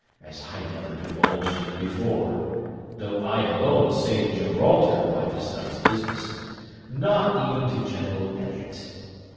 as I never divulged it before (though I alone saved Gibraltar by this night's business), not even to General Elliot.